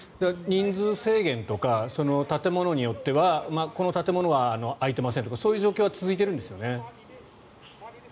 人数制限とか建物によってはこの建物は空いていませんとかそういう状況は続いているんですよね。